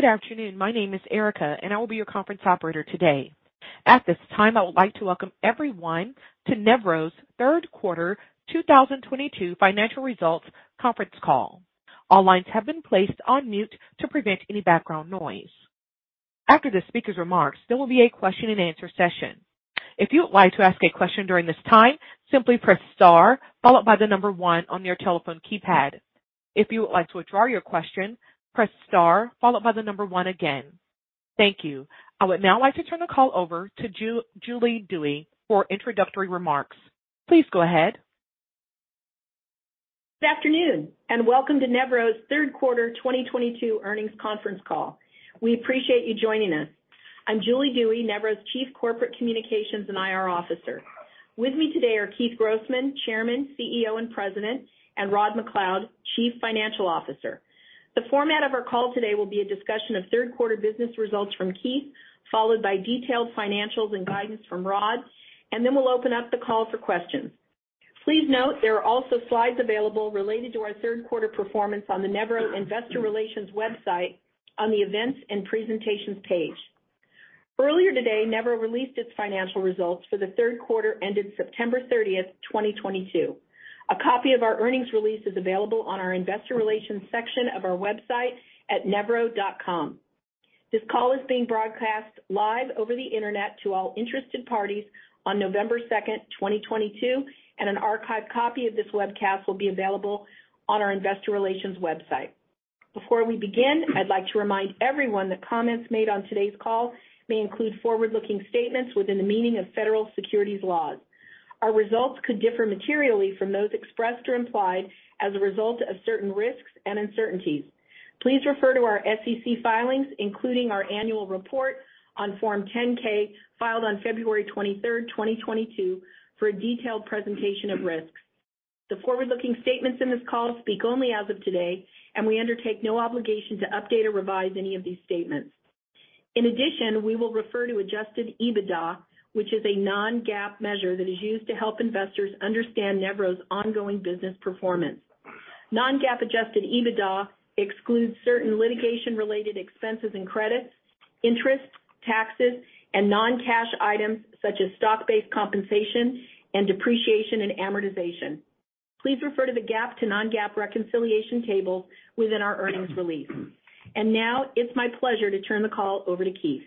Good afternoon. My name is Erica, and I will be your conference operator today. At this time, I would like to welcome everyone to Nevro's third quarter 2022 financial results conference call. All lines have been placed on mute to prevent any background noise. After the speaker's remarks, there will be a question-and-answer session. If you would like to ask a question during this time, simply press star followed by the number one on your telephone keypad. If you would like to withdraw your question, press star followed by the number one again. Thank you. I would now like to turn the call over to Julie Dewey for introductory remarks. Please go ahead. Good afternoon, and welcome to Nevro's third quarter 2022 earnings conference call. We appreciate you joining us. I'm Julie Dewey, Nevro's Chief Corporate Communications and IR Officer. With me today are Keith Grossman, Chairman, CEO, and President, and Rod MacLeod, Chief Financial Officer. The format of our call today will be a discussion of third quarter business results from Keith, followed by detailed financials and guidance from Rod, and then we'll open up the call for questions. Please note there are also slides available related to our third quarter performance on the Nevro Investor Relations website on the Events and Presentations page. Earlier today, Nevro released its financial results for the third quarter ended September thirtieth, 2022. A copy of our earnings release is available on our investor relations section of our website at nevro.com. This call is being broadcast live over the Internet to all interested parties on November 2, 2022, and an archived copy of this webcast will be available on our investor relations website. Before we begin, I'd like to remind everyone that comments made on today's call may include forward-looking statements within the meaning of federal securities laws. Our results could differ materially from those expressed or implied as a result of certain risks and uncertainties. Please refer to our SEC filings, including our annual report on Form 10-K, filed on February 23, 2022, for a detailed presentation of risks. The forward-looking statements in this call speak only as of today, and we undertake no obligation to update or revise any of these statements. In addition, we will refer to adjusted EBITDA, which is a non-GAAP measure that is used to help investors understand Nevro's ongoing business performance. Non-GAAP adjusted EBITDA excludes certain litigation-related expenses and credits, interest, taxes, and non-cash items such as stock-based compensation and depreciation and amortization. Please refer to the GAAP to non-GAAP reconciliation table within our earnings release. Now it's my pleasure to turn the call over to Keith.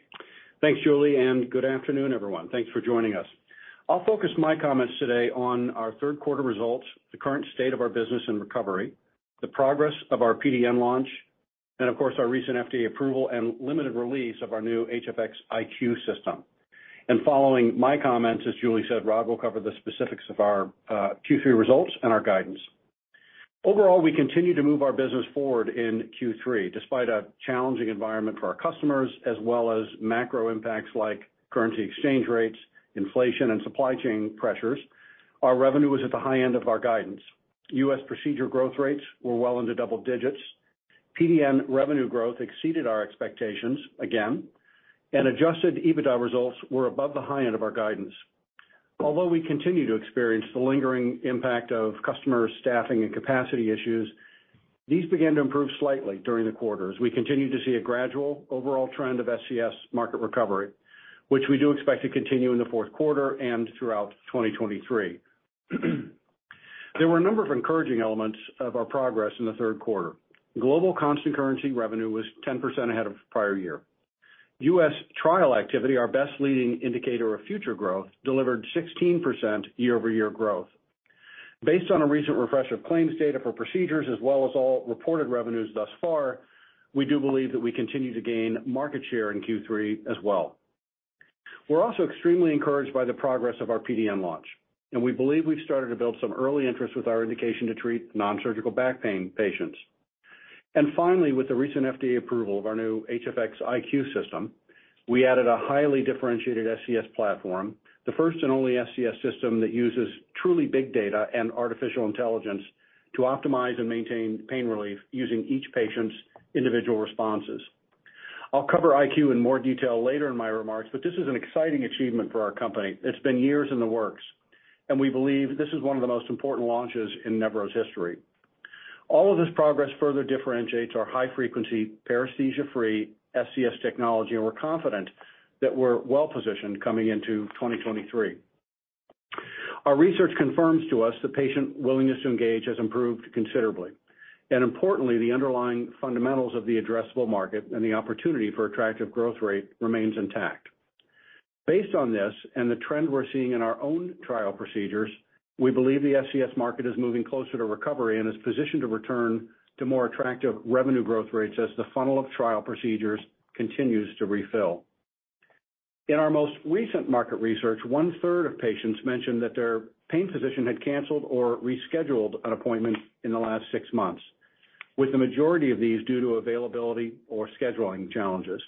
Thanks, Julie, and good afternoon, everyone. Thanks for joining us. I'll focus my comments today on our third quarter results, the current state of our business and recovery, the progress of our PDN launch, and of course, our recent FDA approval and limited release of our new HFX iQ system. Following my comments, as Julie said, Rod will cover the specifics of our Q3 results and our guidance. Overall, we continue to move our business forward in Q3 despite a challenging environment for our customers as well as macro impacts like currency exchange rates, inflation, and supply chain pressures. Our revenue was at the high end of our guidance. U.S. procedure growth rates were well into double digits. PDN revenue growth exceeded our expectations again, and adjusted EBITDA results were above the high end of our guidance. Although we continue to experience the lingering impact of customer staffing and capacity issues, these began to improve slightly during the quarter as we continue to see a gradual overall trend of SCS market recovery, which we do expect to continue in the fourth quarter and throughout 2023. There were a number of encouraging elements of our progress in the third quarter. Global constant currency revenue was 10% ahead of prior year. U.S. trial activity, our best leading indicator of future growth, delivered 16% year-over-year growth. Based on a recent refresh of claims data for procedures as well as all reported revenues thus far, we do believe that we continue to gain market share in Q3 as well. We're also extremely encouraged by the progress of our NSBP launch, and we believe we've started to build some early interest with our indication to treat nonsurgical back pain patients. Finally, with the recent FDA approval of our new HFX iQ system, we added a highly differentiated SCS platform, the first and only SCS system that uses truly big data and artificial intelligence to optimize and maintain pain relief using each patient's individual responses. I'll cover IQ in more detail later in my remarks, but this is an exciting achievement for our company. It's been years in the works, and we believe this is one of the most important launches in Nevro's history. All of this progress further differentiates our high-frequency paresthesia-free SCS technology, and we're confident that we're well positioned coming into 2023. Our research confirms to us the patient willingness to engage has improved considerably. Importantly, the underlying fundamentals of the addressable market and the opportunity for attractive growth rate remains intact. Based on this and the trend we're seeing in our own trial procedures, we believe the SCS market is moving closer to recovery and is positioned to return to more attractive revenue growth rates as the funnel of trial procedures continues to refill. In our most recent market research, 1/3 of patients mentioned that their pain physician had canceled or rescheduled an appointment in the last six months, with the majority of these due to availability or scheduling challenges.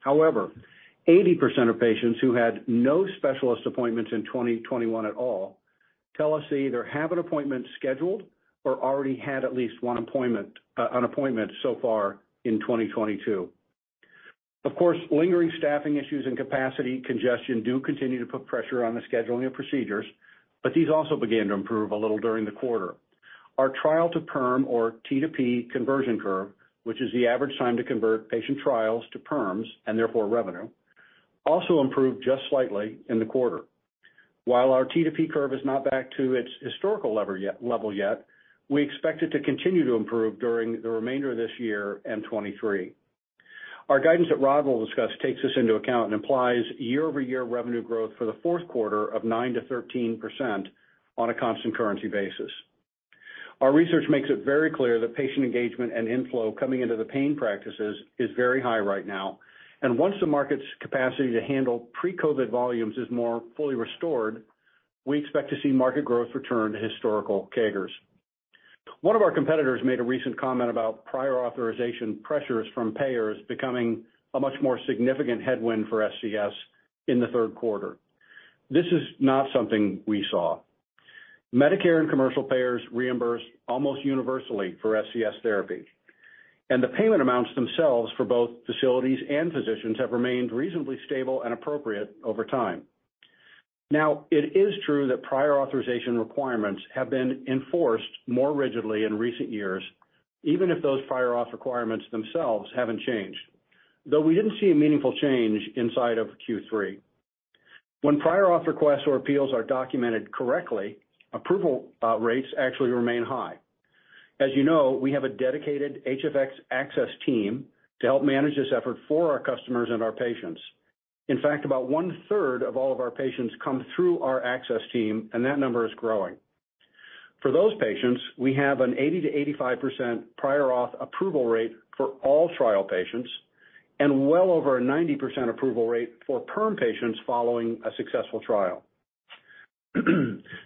However, 80% of patients who had no specialist appointments in 2021 at all tell us they either have an appointment scheduled or already had at least one appointment so far in 2022. Of course, lingering staffing issues and capacity congestion do continue to put pressure on the scheduling of procedures, but these also began to improve a little during the quarter. Our trial to perm or T to P conversion curve, which is the average time to convert patient trials to perms and therefore revenue, also improved just slightly in the quarter. While our T to P curve is not back to its historical level yet, we expect it to continue to improve during the remainder of this year and 2023. Our guidance that Rod will discuss takes this into account and implies year-over-year revenue growth for the fourth quarter of 9%-13% on a constant currency basis. Our research makes it very clear that patient engagement and inflow coming into the pain practices is very high right now. Once the market's capacity to handle pre-COVID volumes is more fully restored, we expect to see market growth return to historical CAGRs. One of our competitors made a recent comment about prior authorization pressures from payers becoming a much more significant headwind for SCS in the third quarter. This is not something we saw. Medicare and commercial payers reimburse almost universally for SCS therapy, and the payment amounts themselves for both facilities and physicians have remained reasonably stable and appropriate over time. Now, it is true that prior authorization requirements have been enforced more rigidly in recent years, even if those prior auth requirements themselves haven't changed. Though we didn't see a meaningful change inside of Q3. When prior auth requests or appeals are documented correctly, approval rates actually remain high. As you know, we have a dedicated HFX Access team to help manage this effort for our customers and our patients. In fact, about 1/3 of all of our patients come through our access team, and that number is growing. For those patients, we have an 80%-85% prior auth approval rate for all trial patients and well over a 90% approval rate for perm patients following a successful trial.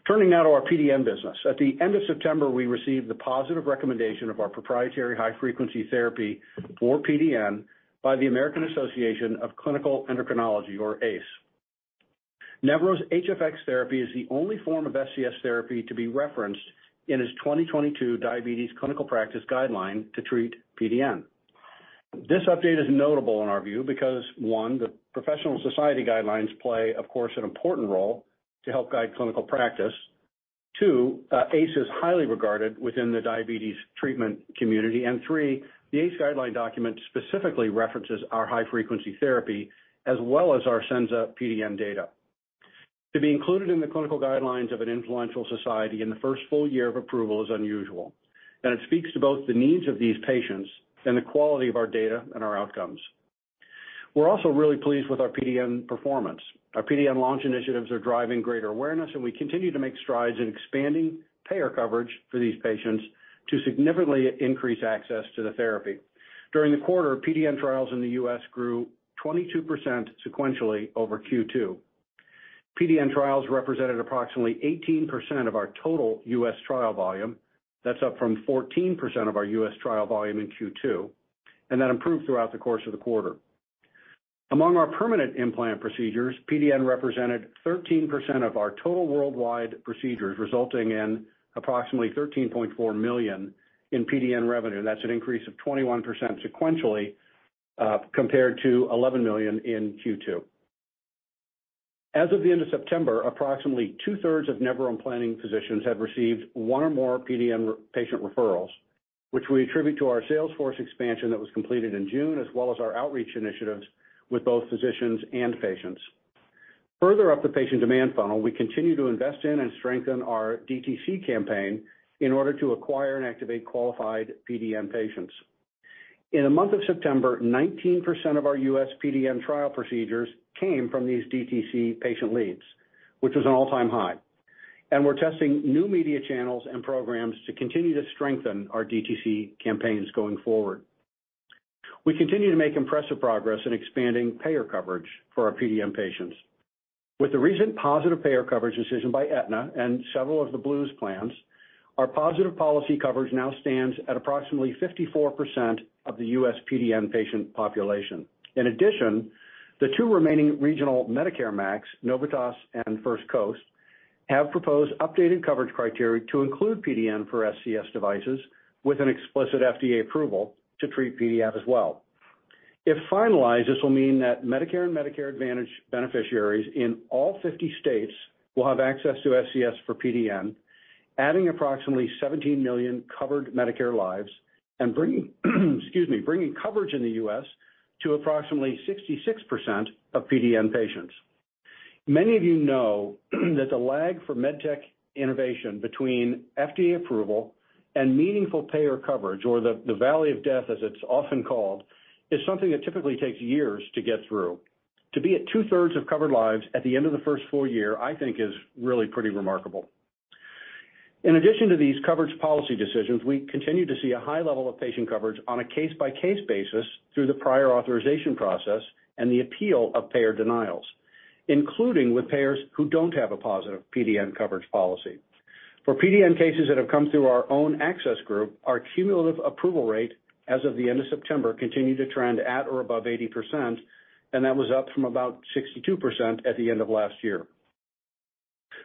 Turning now to our PDN business. At the end of September, we received the positive recommendation of our proprietary high-frequency therapy for PDN by the American Association of Clinical Endocrinology or AACE. Nevro's HFX therapy is the only form of SCS therapy to be referenced in its 2022 diabetes clinical practice guideline to treat PDN. This update is notable in our view because, one, the professional society guidelines play, of course, an important role to help guide clinical practice. Two, AACE is highly regarded within the diabetes treatment community. And three, the AACE guideline document specifically references our high-frequency therapy as well as our Senza PDN data. To be included in the clinical guidelines of an influential society in the first full year of approval is unusual, and it speaks to both the needs of these patients and the quality of our data and our outcomes. We're also really pleased with our PDN performance. Our PDN launch initiatives are driving greater awareness, and we continue to make strides in expanding payer coverage for these patients to significantly increase access to the therapy. During the quarter, PDN trials in the U.S. grew 22% sequentially over Q2. PDN trials represented approximately 18% of our total U.S. trial volume. That's up from 14% of our U.S. trial volume in Q2, and that improved throughout the course of the quarter. Among our permanent implant procedures, PDN represented 13% of our total worldwide procedures, resulting in approximately $13.4 million in PDN revenue. That's an increase of 21% sequentially compared to $11 million in Q2. As of the end of September, approximately 2/3 of Nevro implanting physicians have received one or more PDN patient referrals, which we attribute to our sales force expansion that was completed in June, as well as our outreach initiatives with both physicians and patients. Further up the patient demand funnel, we continue to invest in and strengthen our DTC campaign in order to acquire and activate qualified PDN patients. In the month of September, 19% of our U.S. PDN trial procedures came from these DTC patient leads, which was an all-time high. We're testing new media channels and programs to continue to strengthen our DTC campaigns going forward. We continue to make impressive progress in expanding payer coverage for our PDN patients. With the recent positive payer coverage decision by Aetna and several of the Blues plans, our positive policy coverage now stands at approximately 54% of the US PDN patient population. In addition, the two remaining regional Medicare MACs, Novitas and First Coast, have proposed updated coverage criteria to include PDN for SCS devices with an explicit FDA approval to treat PDN as well. If finalized, this will mean that Medicare and Medicare Advantage beneficiaries in all 50 states will have access to SCS for PDN, adding approximately 17 million covered Medicare lives and bringing coverage in the US to approximately 66% of PDN patients. Many of you know that the lag for med tech innovation between FDA approval and meaningful payer coverage or the valley of death, as it's often called, is something that typically takes years to get through. To be at 2/3 of covered lives at the end of the first full year, I think is really pretty remarkable. In addition to these coverage policy decisions, we continue to see a high level of patient coverage on a case-by-case basis through the prior authorization process and the appeal of payer denials, including with payers who don't have a positive PDN coverage policy. For PDN cases that have come through our own access group, our cumulative approval rate as of the end of September continued to trend at or above 80%, and that was up from about 62% at the end of last year.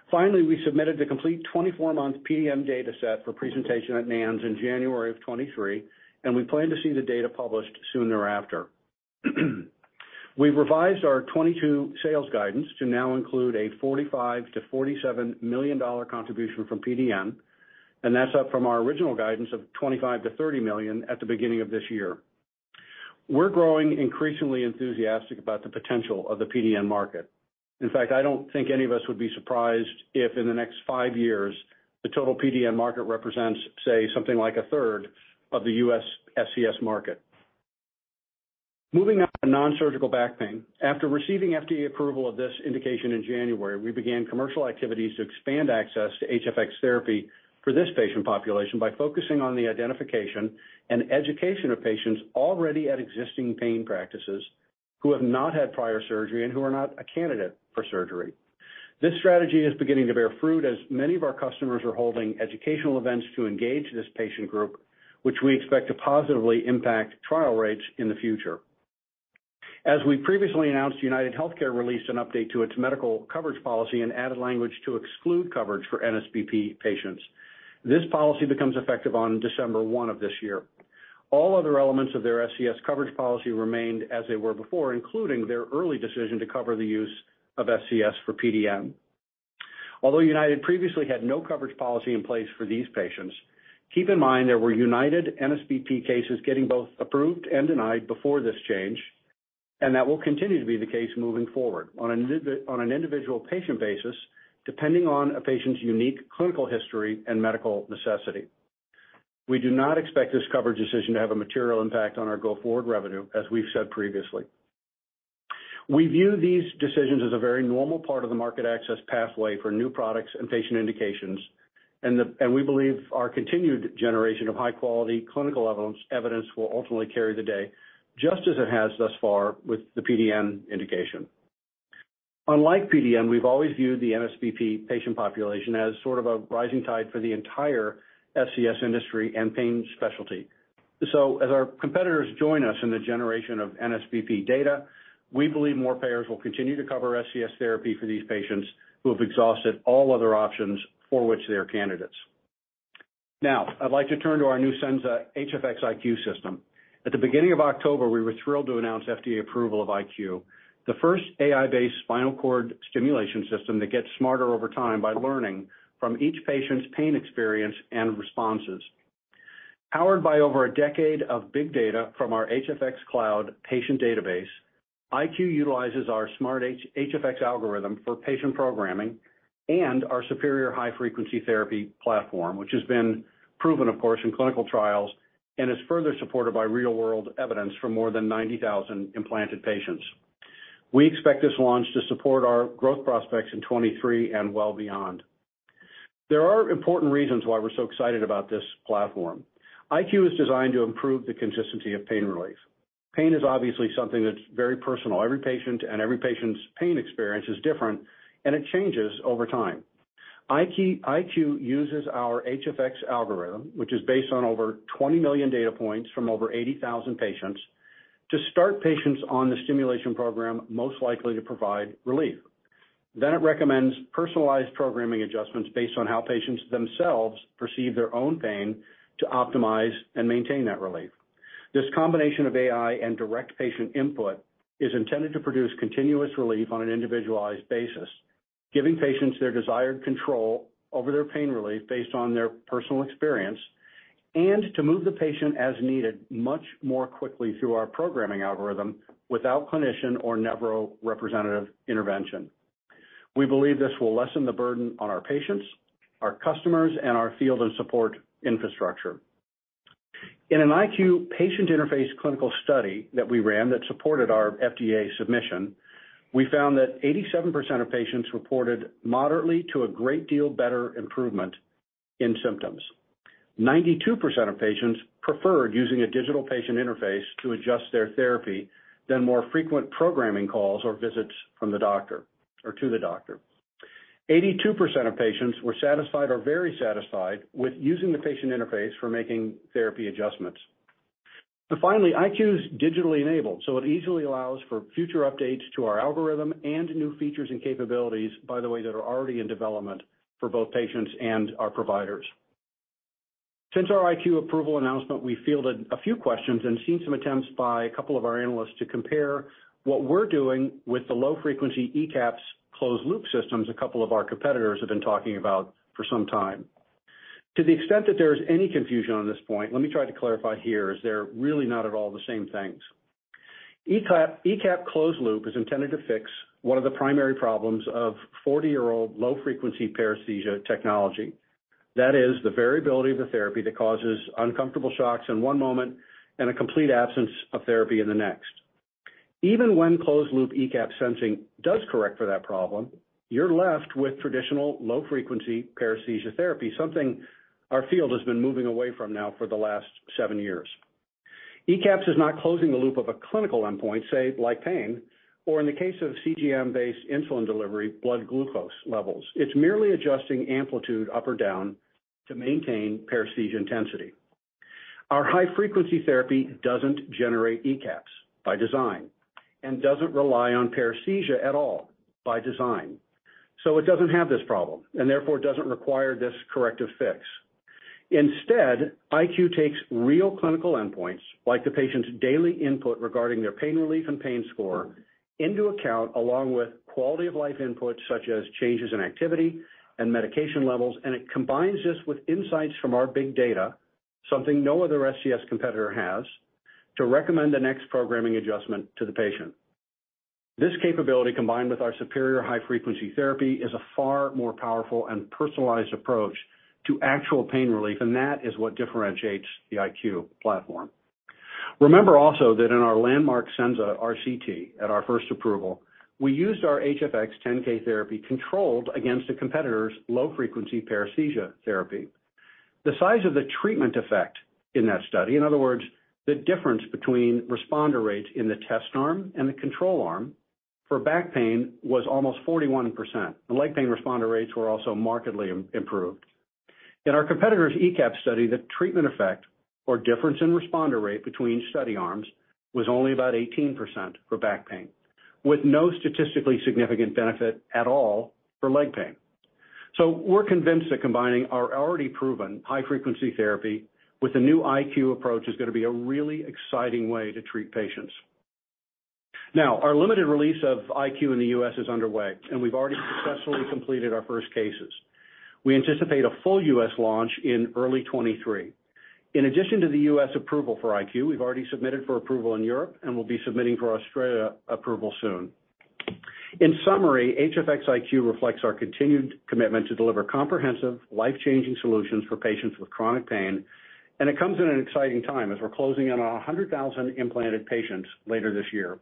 Finally, we submitted the complete 24-month PDN data set for presentation at NANS in January of 2023, and we plan to see the data published soon thereafter. We've revised our 2022 sales guidance to now include a $45 million-$47 million contribution from PDN, and that's up from our original guidance of $25 million-$30 million at the beginning of this year. We're growing increasingly enthusiastic about the potential of the PDN market. In fact, I don't think any of us would be surprised if, in the next five years, the total PDN market represents, say, something like a third of the U.S. SCS market. Moving on to nonsurgical back pain. After receiving FDA approval of this indication in January, we began commercial activities to expand access to HFX therapy for this patient population by focusing on the identification and education of patients already at existing pain practices who have not had prior surgery and who are not a candidate for surgery. This strategy is beginning to bear fruit as many of our customers are holding educational events to engage this patient group, which we expect to positively impact trial rates in the future. As we previously announced, UnitedHealthcare released an update to its medical coverage policy and added language to exclude coverage for NSBP patients. This policy becomes effective on December 1 of this year. All other elements of their SCS coverage policy remained as they were before, including their early decision to cover the use of SCS for PDN. Although United previously had no coverage policy in place for these patients, keep in mind there were United NSBP cases getting both approved and denied before this change, and that will continue to be the case moving forward on an individual patient basis, depending on a patient's unique clinical history and medical necessity. We do not expect this coverage decision to have a material impact on our go-forward revenue, as we've said previously. We view these decisions as a very normal part of the market access pathway for new products and patient indications, and we believe our continued generation of high-quality clinical evidence will ultimately carry the day, just as it has thus far with the PDN indication. Unlike PDN, we've always viewed the NSBP patient population as sort of a rising tide for the entire SCS industry and pain specialty. As our competitors join us in the generation of NSBP data, we believe more payers will continue to cover SCS therapy for these patients who have exhausted all other options for which they are candidates. Now, I'd like to turn to our new Senza HFX iQ system. At the beginning of October, we were thrilled to announce FDA approval of iQ, the first AI-based spinal cord stimulation system that gets smarter over time by learning from each patient's pain experience and responses. Powered by over a decade of big data from our HFX Cloud patient database, iQ utilizes our smart HFX Algorithm for patient programming and our superior high-frequency therapy platform, which has been proven, of course, in clinical trials and is further supported by real-world evidence from more than 90,000 implanted patients. We expect this launch to support our growth prospects in 2023 and well beyond. There are important reasons why we're so excited about this platform. iQ is designed to improve the consistency of pain relief. Pain is obviously something that's very personal. Every patient and every patient's pain experience is different, and it changes over time. iQ uses our HFX Algorithm, which is based on over 20 million data points from over 80,000 patients, to start patients on the stimulation program most likely to provide relief. It recommends personalized programming adjustments based on how patients themselves perceive their own pain to optimize and maintain that relief. This combination of AI and direct patient input is intended to produce continuous relief on an individualized basis, giving patients their desired control over their pain relief based on their personal experience, and to move the patient as needed much more quickly through our programming algorithm without clinician or Nevro representative intervention. We believe this will lessen the burden on our patients, our customers, and our field and support infrastructure. In an IQ patient interface clinical study that we ran that supported our FDA submission, we found that 87% of patients reported moderately to a great deal better improvement in symptoms. 92% of patients preferred using a digital patient interface to adjust their therapy than more frequent programming calls or visits from the doctor or to the doctor. 82% of patients were satisfied or very satisfied with using the patient interface for making therapy adjustments. Finally, IQ is digitally enabled, so it easily allows for future updates to our algorithm and new features and capabilities, by the way, that are already in development for both patients and our providers. Since our IQ approval announcement, we fielded a few questions and seen some attempts by a couple of our analysts to compare what we're doing with the low-frequency ECAPs closed-loop systems a couple of our competitors have been talking about for some time. To the extent that there is any confusion on this point, let me try to clarify here, as they're really not at all the same things. ECAP closed-loop, is intended to fix one of the primary problems of 40-year-old low-frequency paresthesia technology. That is the variability of the therapy that causes uncomfortable shocks in one moment and a complete absence of therapy in the next. Even when closed-loop ECAP sensing does correct for that problem, you're left with traditional low-frequency paresthesia therapy, something our field has been moving away from now for the last seven years. ECAPs is not closing the loop of a clinical endpoint, say like pain, or in the case of CGM-based insulin delivery, blood glucose levels. It's merely adjusting amplitude up or down to maintain paresthesia intensity. Our high frequency therapy doesn't generate ECAPs by design and doesn't rely on paresthesia at all by design. It doesn't have this problem, and therefore doesn't require this corrective fix. Instead, IQ takes real clinical endpoints, like the patient's daily input regarding their pain relief and pain score into account, along with quality of life input, such as changes in activity and medication levels, and it combines this with insights from our big data, something no other SCS competitor has, to recommend the next programming adjustment to the patient. This capability, combined with our superior high frequency therapy, is a far more powerful and personalized approach to actual pain relief, and that is what differentiates the IQ platform. Remember also that in our landmark Senza RCT at our first approval, we used our HFX 10k therapy controlled against a competitor's low frequency paresthesia therapy. The size of the treatment effect in that study, in other words, the difference between responder rates in the test arm and the control arm for back pain was almost 41%. The leg pain responder rates were also markedly improved. In our competitor's ECAP study, the treatment effect or difference in responder rate between study arms was only about 18% for back pain, with no statistically significant benefit at all for leg pain. We're convinced that combining our already proven high frequency therapy with the new iQ approach is gonna be a really exciting way to treat patients. Now, our limited release of iQ in the U.S. is underway, and we've already successfully completed our first cases. We anticipate a full U.S. launch in early 2023. In addition to the U.S. approval for iQ, we've already submitted for approval in Europe, and we'll be submitting for Australia approval soon. In summary, HFX iQ reflects our continued commitment to deliver comprehensive, life-changing solutions for patients with chronic pain, and it comes at an exciting time as we're closing in on 100,000 implanted patients later this year.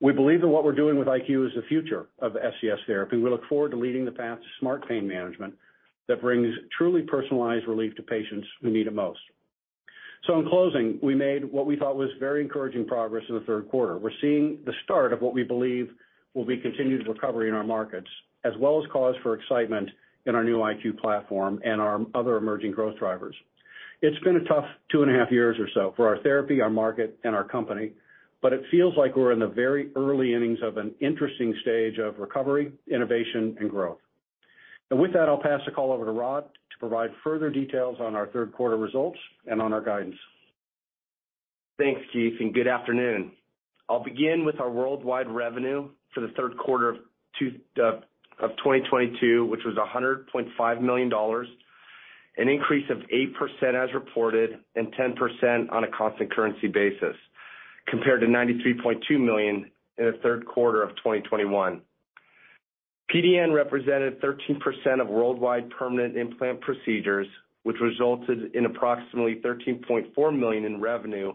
We believe that what we're doing with IQ is the future of SCS therapy, and we look forward to leading the path to smart pain management that brings truly personalized relief to patients who need it most. In closing, we made what we thought was very encouraging progress in the third quarter. We're seeing the start of what we believe will be continued recovery in our markets, as well as cause for excitement in our new IQ platform and our other emerging growth drivers. It's been a tough two and a half years or so for our therapy, our market, and our company, but it feels like we're in the very early innings of an interesting stage of recovery, innovation, and growth. With that, I'll pass the call over to Rod to provide further details on our third quarter results and on our guidance. Thanks, Keith, and good afternoon. I'll begin with our worldwide revenue for the third quarter of 2022, which was $100.5 million, an increase of 8% as reported, and 10% on a constant currency basis, compared to $93.2 million in the third quarter of 2021. PDN represented 13% of worldwide permanent implant procedures, which resulted in approximately $13.4 million in revenue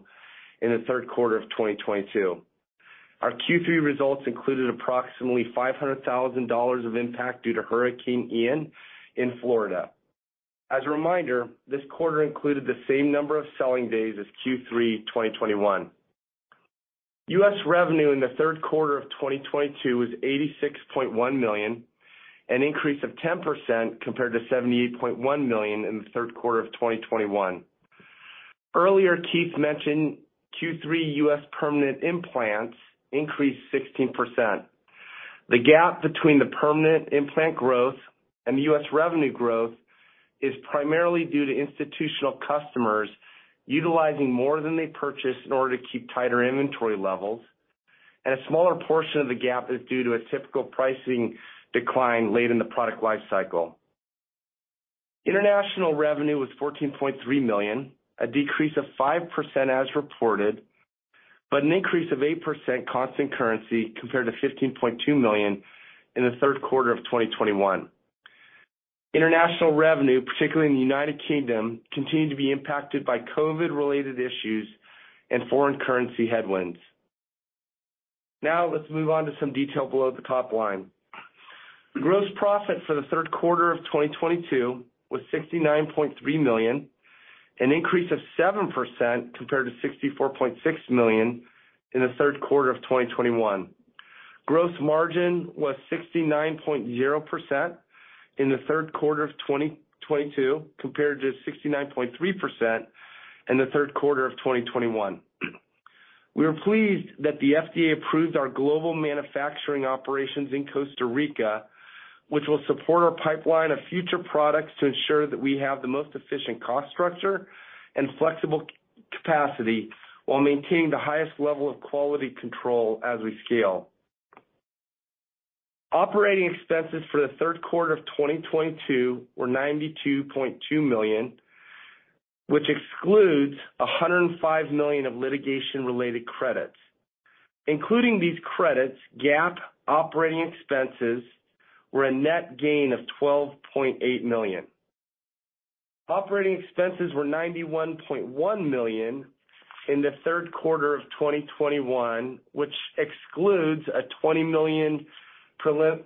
in the third quarter of 2022. Our Q3 results included approximately $500,000 of impact due to Hurricane Ian in Florida. As a reminder, this quarter included the same number of selling days as Q3 2021. US revenue in the third quarter of 2022 was $86.1 million, an increase of 10% compared to $78.1 million in the third quarter of 2021. Earlier, Keith mentioned Q3 U.S. permanent implants increased 16%. The gap between the permanent implant growth and the U.S. revenue growth is primarily due to institutional customers utilizing more than they purchased in order to keep tighter inventory levels, and a smaller portion of the gap is due to a typical pricing decline late in the product life cycle. International revenue was $14.3 million, a decrease of 5% as reported, but an increase of 8% constant currency compared to $15.2 million in the third quarter of 2021. International revenue, particularly in the United Kingdom, continued to be impacted by COVID-related issues and foreign currency headwinds. Now let's move on to some detail below the top line. Gross profit for the third quarter of 2022 was $69.3 million, an increase of 7% compared to $64.6 million in the third quarter of 2021. Gross margin was 69.0% in the third quarter of 2022, compared to 69.3% in the third quarter of 2021. We are pleased that the FDA approved our global manufacturing operations in Costa Rica, which will support our pipeline of future products to ensure that we have the most efficient cost structure and flexible capacity while maintaining the highest level of quality control as we scale. Operating expenses for the third quarter of 2022 were $92.2 million, which excludes $105 million of litigation-related credits. Including these credits, GAAP operating expenses were a net gain of $12.8 million. Operating expenses were $91.1 million in the third quarter of 2021, which excludes a $20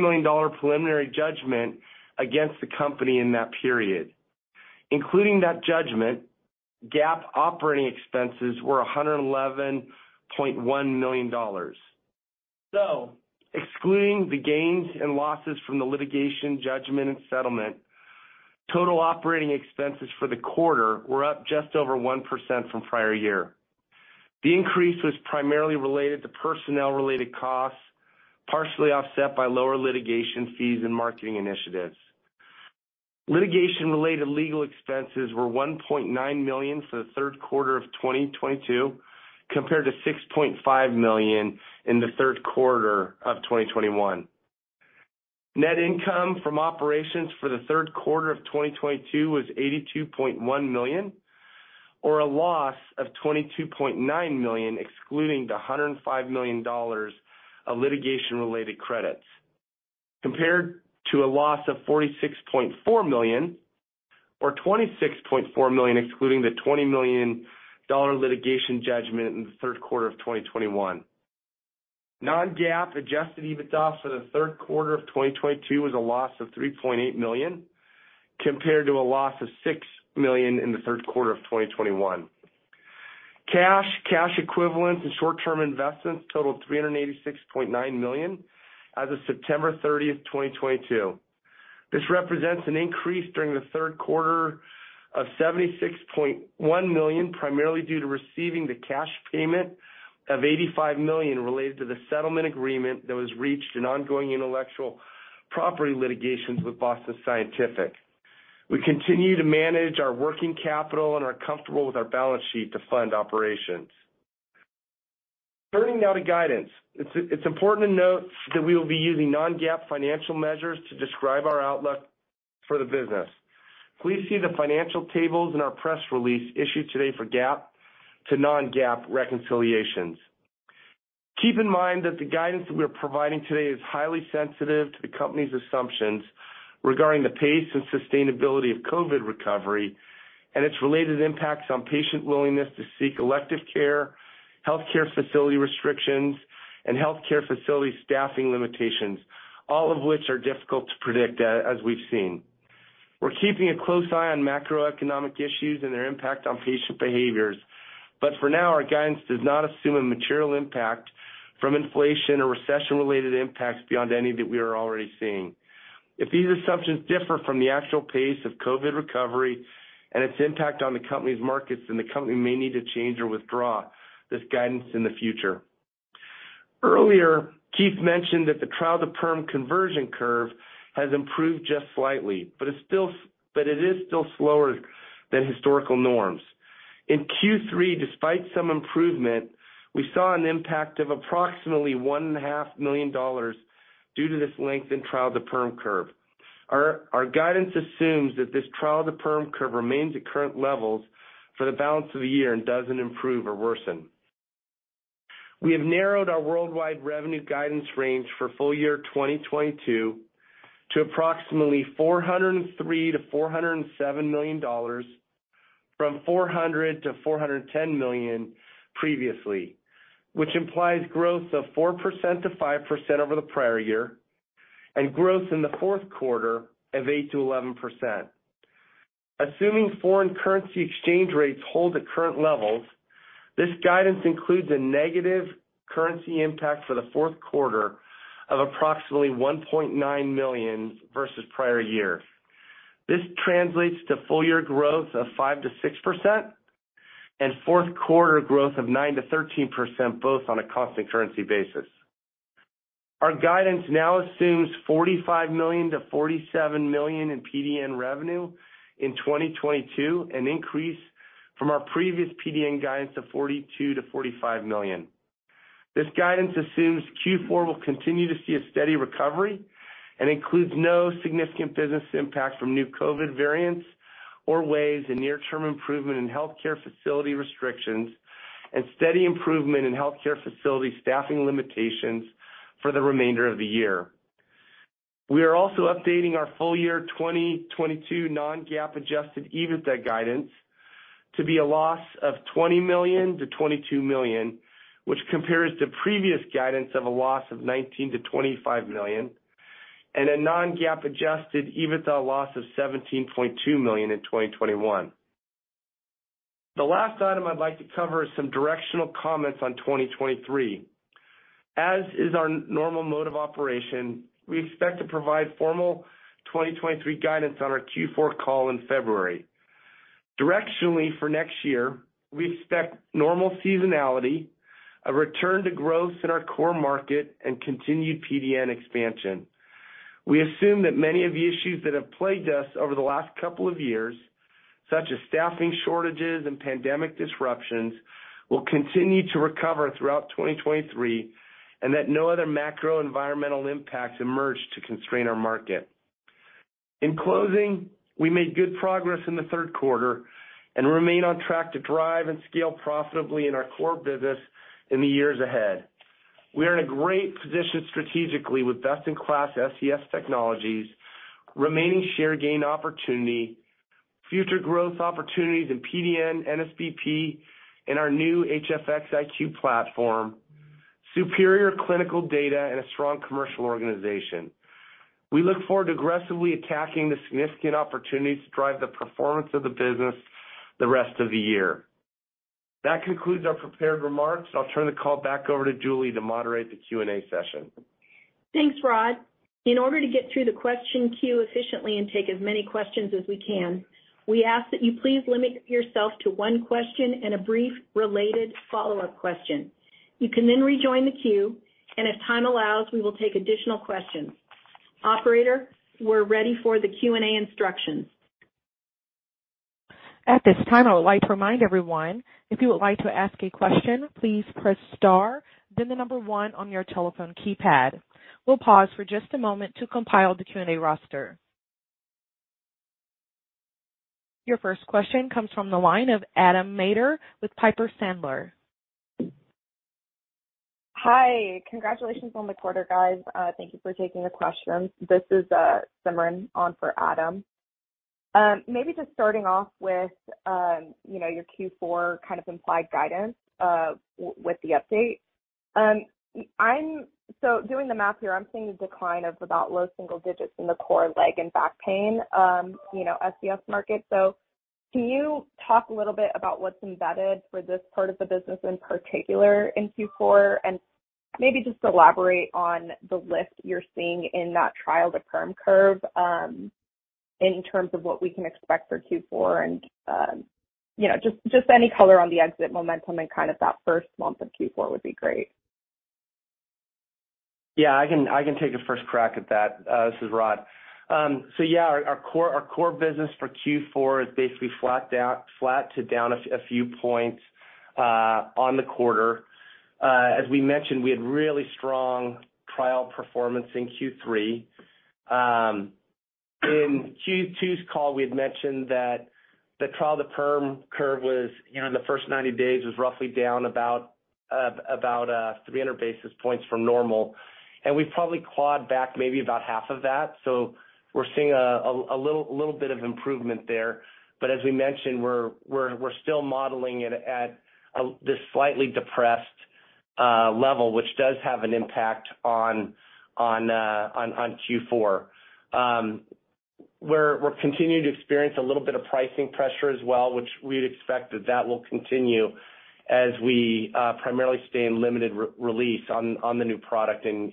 million preliminary judgment against the company in that period. Including that judgment, GAAP operating expenses were $111.1 million dollars. Excluding the gains and losses from the litigation judgment and settlement, total operating expenses for the quarter were up just over 1% from prior year. The increase was primarily related to personnel-related costs, partially offset by lower litigation fees and marketing initiatives. Litigation-related legal expenses were $1.9 million for the third quarter of 2022, compared to $6.5 million in the third quarter of 2021. Net income from operations for the third quarter of 2022 was $82.1 million, or a loss of $22.9 million, excluding the $105 million of litigation-related credits, compared to a loss of $46.4 million or $26.4 million, excluding the $20 million litigation judgment in the third quarter of 2021. non-GAAP adjusted EBITDA for the third quarter of 2022 was a loss of $3.8 million, compared to a loss of $6 million in the third quarter of 2021. Cash, cash equivalents and short-term investments totaled $386.9 million as of September 30, 2022. This represents an increase during the third quarter of $76.1 million, primarily due to receiving the cash payment of $85 million related to the settlement agreement that was reached in ongoing intellectual property litigations with Boston Scientific. We continue to manage our working capital and are comfortable with our balance sheet to fund operations. Turning now to guidance. It's important to note that we will be using non-GAAP financial measures to describe our outlook for the business. Please see the financial tables in our press release issued today for GAAP to non-GAAP reconciliations. Keep in mind that the guidance that we are providing today is highly sensitive to the company's assumptions regarding the pace and sustainability of COVID recovery and its related impacts on patient willingness to seek elective care, healthcare facility restrictions, and healthcare facility staffing limitations, all of which are difficult to predict as we've seen. We're keeping a close eye on macroeconomic issues and their impact on patient behaviors, but for now, our guidance does not assume a material impact from inflation or recession-related impacts beyond any that we are already seeing. If these assumptions differ from the actual pace of COVID recovery and its impact on the company's markets, then the company may need to change or withdraw this guidance in the future. Earlier, Keith mentioned that the trial-to-perm conversion curve has improved just slightly, but it is still slower than historical norms. In Q3, despite some improvement, we saw an impact of approximately $1.5 million due to this lengthened trial to perm curve. Our guidance assumes that this trial to perm curve remains at current levels for the balance of the year and doesn't improve or worsen. We have narrowed our worldwide revenue guidance range for full year 2022 to approximately $403 million-$407 million from $400 million-$410 million previously, which implies growth of 4%-5% over the prior year and growth in the fourth quarter of 8%-11%. Assuming foreign currency exchange rates hold at current levels, this guidance includes a negative currency impact for the fourth quarter of approximately $1.9 million versus prior year. This translates to full year growth of 5%-6% and fourth quarter growth of 9%-13%, both on a constant currency basis. Our guidance now assumes $45 million-$47 million in PDN revenue in 2022, an increase from our previous PDN guidance of $42 million-$45 million. This guidance assumes Q4 will continue to see a steady recovery and includes no significant business impact from new COVID variants or waves, a near-term improvement in healthcare facility restrictions, and steady improvement in healthcare facility staffing limitations for the remainder of the year. We are also updating our full year 2022 non-GAAP adjusted EBITDA guidance to be a loss of $20 million-$22 million, which compares to previous guidance of a loss of $19 million-$25 million and a non-GAAP adjusted EBITDA loss of $17.2 million in 2021. The last item I'd like to cover is some directional comments on 2023. As is our normal mode of operation, we expect to provide formal 2023 guidance on our Q4 call in February. Directionally for next year, we expect normal seasonality, a return to growth in our core market and continued PDN expansion. We assume that many of the issues that have plagued us over the last couple of years, such as staffing shortages and pandemic disruptions, will continue to recover throughout 2023 and that no other macro environmental impacts emerge to constrain our market. In closing, we made good progress in the third quarter and remain on track to drive and scale profitably in our core business in the years ahead. We are in a great position strategically with best-in-class SCS technologies, remaining share gain opportunity, future growth opportunities in PDN, NSBP, and our new HFX iQ platform, superior clinical data, and a strong commercial organization. We look forward to aggressively attacking the significant opportunities to drive the performance of the business the rest of the year. That concludes our prepared remarks. I'll turn the call back over to Julie to moderate the Q&A session. Thanks, Rod. In order to get through the question queue efficiently and take as many questions as we can, we ask that you please limit yourself to one question and a brief related follow-up question. You can then rejoin the queue, and if time allows, we will take additional questions. Operator, we're ready for the Q&A instructions. At this time, I would like to remind everyone, if you would like to ask a question, please press star, then the number one on your telephone keypad. We'll pause for just a moment to compile the Q&A roster. Your first question comes from the line of Adam Maeder with Piper Sandler. Hi, congratulations on the quarter, guys. Thank you for taking the questions. This is Simran on for Adam. Maybe just starting off with you know, your Q4 kind of implied guidance with the update. Doing the math here, I'm seeing a decline of about low single digits in the core leg and back pain you know, SCS market. Can you talk a little bit about what's embedded for this part of the business, in particular in Q4? And maybe just elaborate on the lift you're seeing in that trial-to-perm curve in terms of what we can expect for Q4, and you know, just any color on the exit momentum in kind of that first month of Q4 would be great. Yeah, I can take a first crack at that. This is Rod. Our core business for Q4 is basically flat to down a few points on the quarter. As we mentioned, we had really strong trial performance in Q3. In Q2's call, we had mentioned that the trial-to-perm curve was, you know, in the first 90 days, roughly down about 300 basis points from normal. We probably clawed back maybe about half of that. We're seeing a little bit of improvement there. As we mentioned, we're still modeling it at this slightly depressed level, which does have an impact on Q4. We're continuing to experience a little bit of pricing pressure as well, which we'd expect that will continue as we primarily stay in limited re-release on the new product in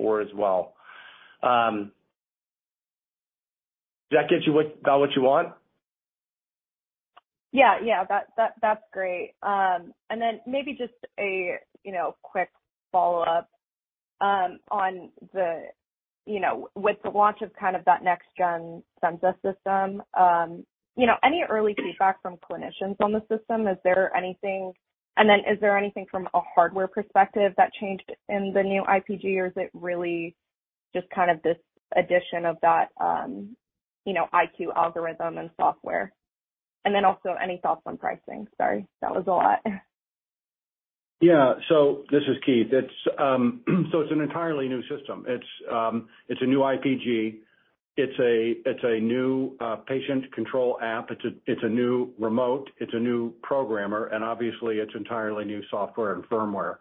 Q4 as well. Does that get you about what you want? Yeah, that's great. Maybe just a you know quick follow-up on the you know with the launch of kind of that next gen Senza system, you know any early feedback from clinicians on the system? Is there anything from a hardware perspective that changed in the new IPG, or is it really just kind of this addition of that you know iQ algorithm and software? Also any thoughts on pricing? Sorry, that was a lot. Yeah. This is Keith. It's so it's an entirely new system. It's a new IPG. It's a new patient control app. It's a new remote, it's a new programmer, and obviously it's entirely new software and firmware.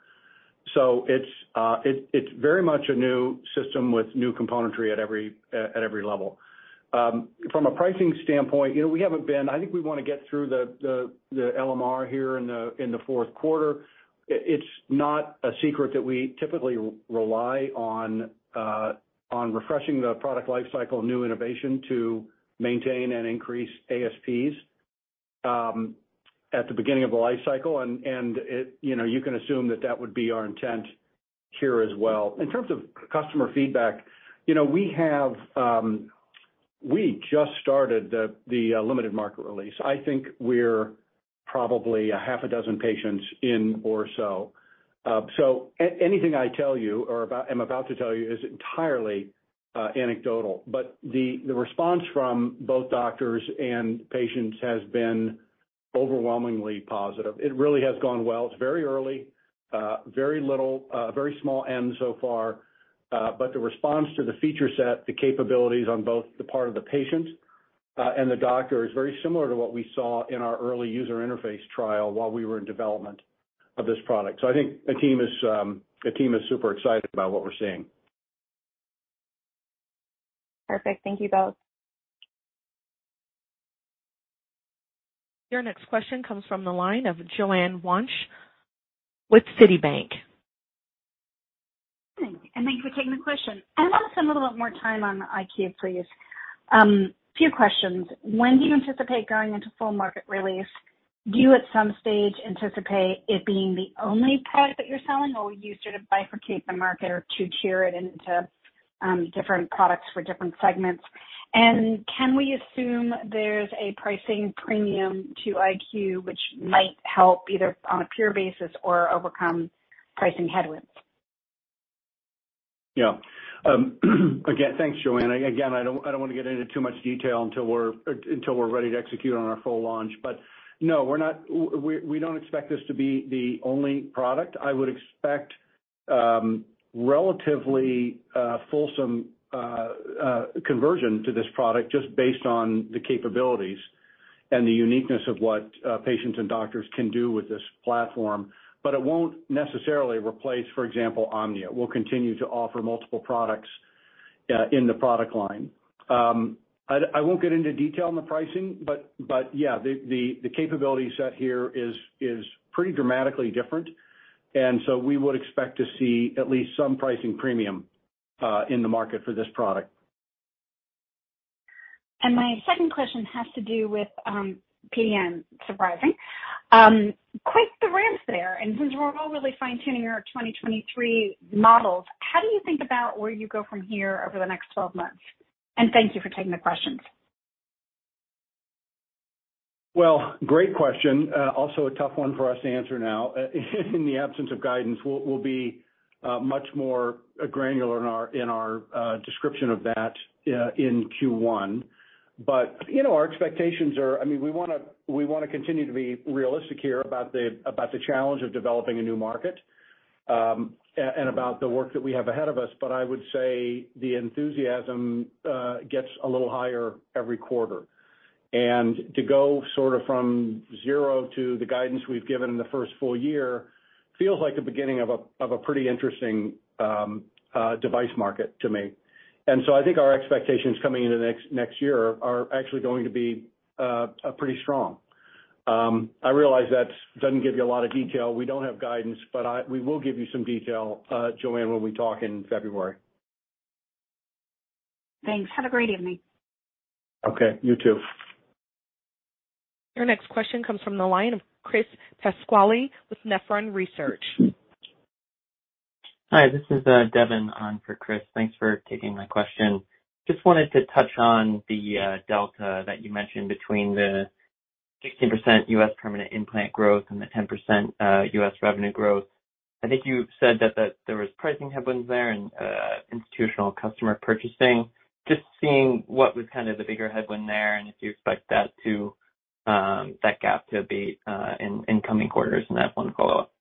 It's very much a new system with new componentry at every level. From a pricing standpoint, you know, I think we wanna get through the LMR here in the fourth quarter. It's not a secret that we typically rely on refreshing the product life cycle new innovation to maintain and increase ASPs at the beginning of the life cycle. It, you know, you can assume that that would be our intent here as well. In terms of customer feedback, you know, we have, we just started the limited market release. I think we're probably six patients in or so. So anything I tell you I'm about to tell you is entirely anecdotal. The response from both doctors and patients has been overwhelmingly positive. It really has gone well. It's very early, very little, very small n so far. The response to the feature set, the capabilities on both the part of the patient and the doctor is very similar to what we saw in our early user interface trial while we were in development of this product. I think the team is super excited about what we're seeing. Perfect. Thank you both. Your next question comes from the line of Joanne Wuensch with Citi. Thanks for taking the question. I want to spend a little bit more time on IQ, please. Two questions. When do you anticipate going into full market release? Do you at some stage anticipate it being the only product that you're selling, or will you sort of bifurcate the market or two-tier it into different products for different segments? Can we assume there's a pricing premium to IQ which might help either on a pure basis or overcome pricing headwinds? Yeah. Again, thanks, Joanne. Again, I don't wanna get into too much detail until we're ready to execute on our full launch. No, we're not. We don't expect this to be the only product. I would expect relatively fulsome conversion to this product just based on the capabilities and the uniqueness of what patients and doctors can do with this platform. It won't necessarily replace, for example, Omnia. We'll continue to offer multiple products. Yeah, in the product line. I won't get into detail on the pricing, but yeah, the capability set here is pretty dramatically different. We would expect to see at least some pricing premium in the market for this product. My second question has to do with PDN, surprising. Quite the ramps there. Since we're all really fine-tuning our 2023 models, how do you think about where you go from here over the next 12 months? Thank you for taking the questions. Well, great question, also a tough one for us to answer now. In the absence of guidance, we'll be much more granular in our description of that in Q1. You know, our expectations are, I mean, we wanna continue to be realistic here about the challenge of developing a new market and about the work that we have ahead of us. I would say the enthusiasm gets a little higher every quarter. To go sort of from zero to the guidance we've given in the first full year feels like the beginning of a pretty interesting device market to me. I think our expectations coming into next year are actually going to be pretty strong. I realize that doesn't give you a lot of detail. We don't have guidance, but we will give you some detail, Joanne, when we talk in February. Thanks. Have a great evening. Okay. You too. Your next question comes from the line of Chris Pasquale with Nephron Research. Hi, this is Devin on for Chris. Thanks for taking my question. Just wanted to touch on the delta that you mentioned between the 16% US permanent implant growth and the 10% US revenue growth. I think you said that there was pricing headwinds there and institutional customer purchasing. Just seeing what was kind of the bigger headwind there, and if you expect that to that gap to abate in coming quarters. I have one follow-up.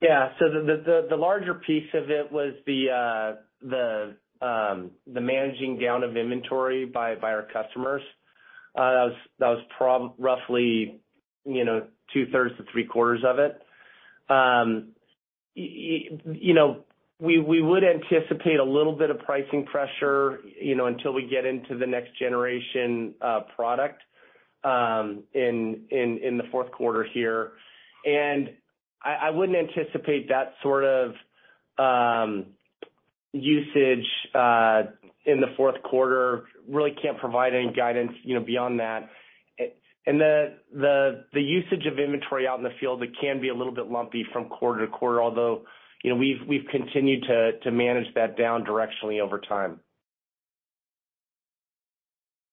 Yeah. The larger piece of it was the managing down of inventory by our customers. That was roughly, you know, 2/3 to three-quarters of it. You know, we would anticipate a little bit of pricing pressure, you know, until we get into the next generation product in the fourth quarter here. I wouldn't anticipate that sort of usage in the fourth quarter. Really can't provide any guidance, you know, beyond that. The usage of inventory out in the field, it can be a little bit lumpy from quarter to quarter, although, you know, we've continued to manage that down directionally over time.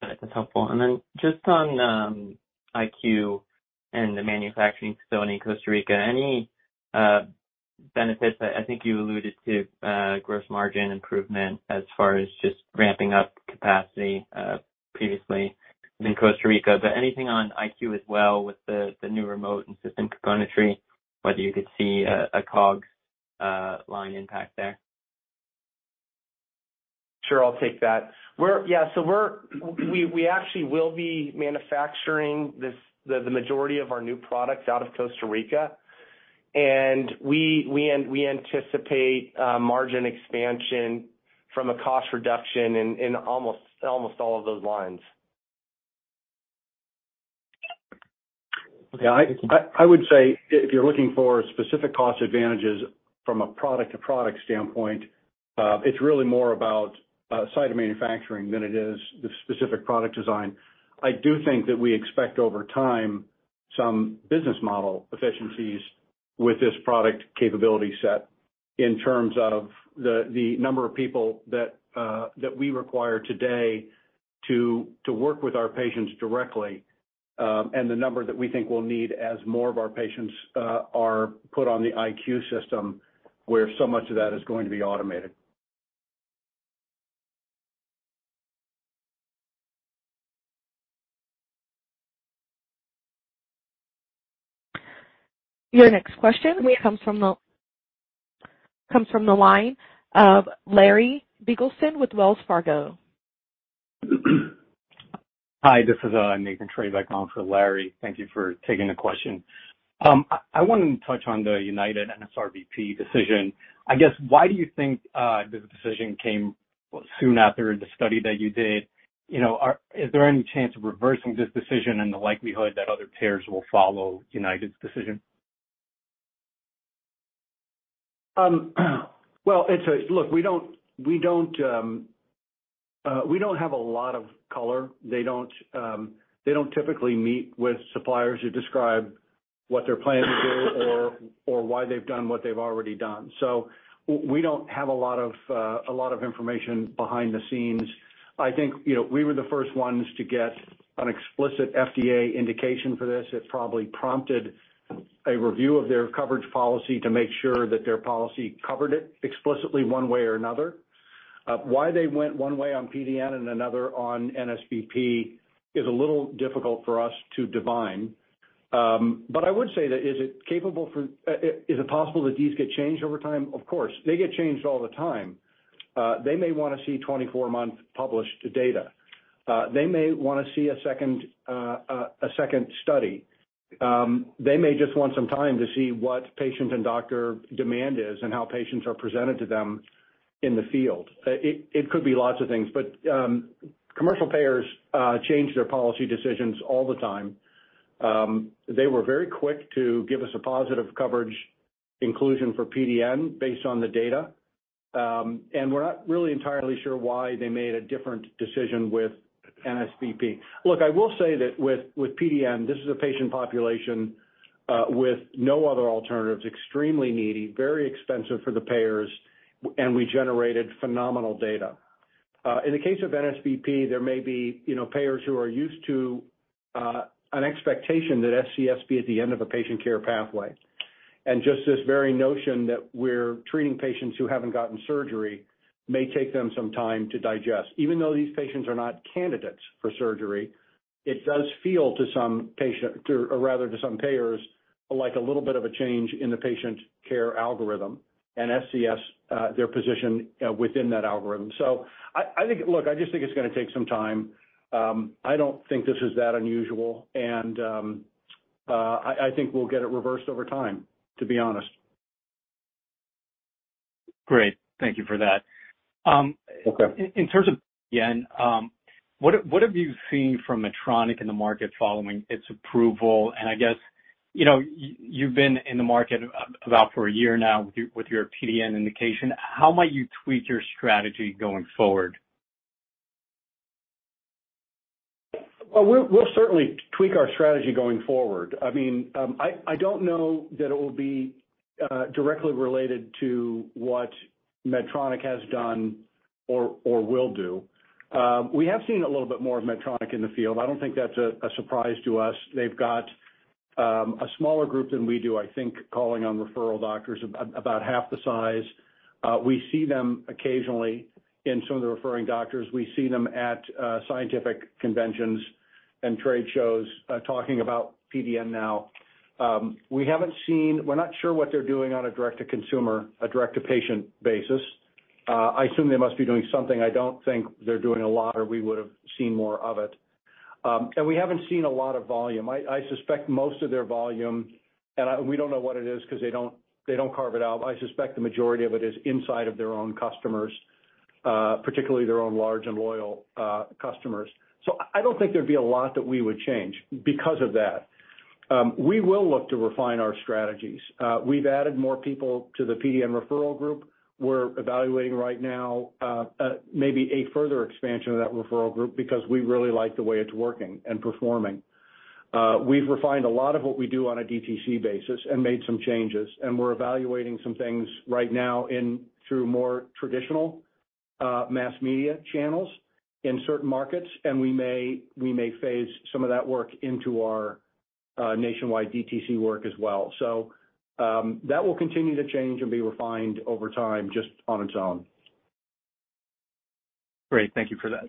Got it. That's helpful. Just on IQ and the manufacturing facility in Costa Rica, any benefits that I think you alluded to, gross margin improvement as far as just ramping up capacity previously in Costa Rica, but anything on IQ as well with the new remote and system componentry, whether you could see a COGS line impact there? Sure. I'll take that. We actually will be manufacturing the majority of our new products out of Costa Rica, and we anticipate margin expansion from a cost reduction in almost all of those lines. Yeah. I would say if you're looking for specific cost advantages from a product-to-product standpoint, it's really more about site of manufacturing than it is the specific product design. I do think that we expect over time some business model efficiencies with this product capability set in terms of the number of people that we require today to work with our patients directly, and the number that we think we'll need as more of our patients are put on the IQ system, where so much of that is going to be automated. Your next question comes from the line of Larry Biegelsen with Wells Fargo. Hi, this is Nathan Treybeck on for Larry. Thank you for taking the question. I wanted to touch on the United NSBP decision. I guess why do you think this decision came soon after the study that you did? You know, is there any chance of reversing this decision and the likelihood that other payers will follow United's decision? Well, look, we don't have a lot of color. They don't typically meet with suppliers to describe what they're planning to do or why they've done what they've already done. We don't have a lot of information behind the scenes. I think, you know, we were the first ones to get an explicit FDA indication for this. It probably prompted a review of their coverage policy to make sure that their policy covered it explicitly one way or another. Why they went one way on PDN and another on NSBP is a little difficult for us to divine. But I would say is it possible that these get changed over time? Of course. They get changed all the time. They may wanna see 24-month published data. They may wanna see a second study. They may just want some time to see what patient and doctor demand is and how patients are presented to them in the field. It could be lots of things, but commercial payers change their policy decisions all the time. They were very quick to give us a positive coverage inclusion for PDN based on the data, and we're not really entirely sure why they made a different decision with NSBP. Look, I will say that with PDN, this is a patient population with no other alternatives, extremely needy, very expensive for the payers, and we generated phenomenal data. In the case of NSBP, there may be, you know, payers who are used to an expectation that SCS be at the end of a patient care pathway. Just this very notion that we're treating patients who haven't gotten surgery may take them some time to digest. Even though these patients are not candidates for surgery, it does feel to some patients, or rather to some payers, like a little bit of a change in the patient care algorithm, and SCS, their position within that algorithm. I think. Look, I just think it's gonna take some time. I don't think this is that unusual, and I think we'll get it reversed over time, to be honest. Great. Thank you for that. Okay. In terms of PDN, what have you seen from Medtronic in the market following its approval? I guess, you know, you've been in the market about a year now with your PDN indication, how might you tweak your strategy going forward? Well, we'll certainly tweak our strategy going forward. I mean, I don't know that it will be directly related to what Medtronic has done or will do. We have seen a little bit more of Medtronic in the field. I don't think that's a surprise to us. They've got a smaller group than we do, I think, calling on referral doctors, about half the size. We see them occasionally in some of the referring doctors. We see them at scientific conventions and trade shows, talking about PDN now. We're not sure what they're doing on a direct-to-consumer, a direct-to-patient basis. I assume they must be doing something. I don't think they're doing a lot, or we would've seen more of it. We haven't seen a lot of volume. I suspect most of their volume, and we don't know what it is 'cause they don't carve it out, but I suspect the majority of it is inside of their own customers, particularly their own large and loyal customers. I don't think there'd be a lot that we would change because of that. We will look to refine our strategies. We've added more people to the PDN referral group. We're evaluating right now, maybe a further expansion of that referral group because we really like the way it's working and performing. We've refined a lot of what we do on a DTC basis and made some changes, and we're evaluating some things right now through more traditional mass media channels in certain markets, and we may phase some of that work into our nationwide DTC work as well. That will continue to change and be refined over time just on its own. Great. Thank you for that.